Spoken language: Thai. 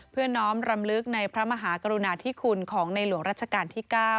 น้อมรำลึกในพระมหากรุณาธิคุณของในหลวงรัชกาลที่๙